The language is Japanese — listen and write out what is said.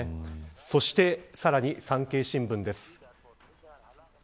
そして、さらに産経新聞です。